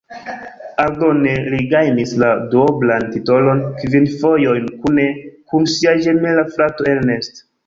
Aldone li gajnis la duoblan titolon kvin fojojn kune kun sia ĝemela frato Ernest.